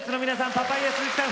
パパイヤ鈴木さん